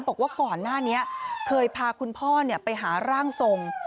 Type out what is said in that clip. บอกว่าก่อนหน้านี้เคยพาคุณพ่อไปหาร่างทรง